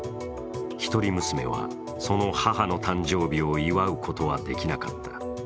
一人娘は、その母の誕生日を祝うことはできなかった。